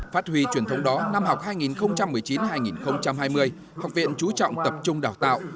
phát huy truyền thống đó năm học hai nghìn một mươi chín hai nghìn hai mươi học viện chú trọng tập trung đào tạo